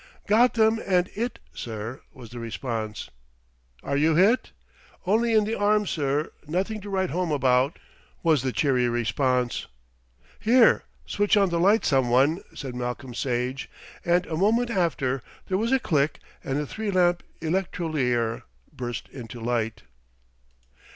"Got them and it, sir," was the response. "Are you hit?" "Only in the arm, sir. Nothing to write home about," was the cheery response. "Here, switch on the light someone," said Malcolm Sage, and a moment after there was a click and a three lamp electrolier burst into light.